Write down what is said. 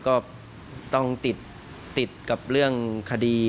ก็ต้องติดกับเรื่องคดี